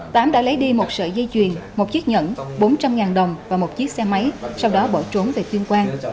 tám đã lấy đi một sợi dây chuyền một chiếc nhẫn bốn trăm linh đồng và một chiếc xe máy sau đó bỏ trốn về tuyên quang